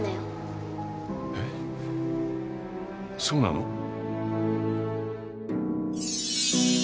そうなの？